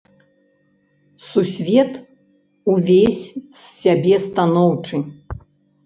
Сусвет увесь з сябе станоўчы.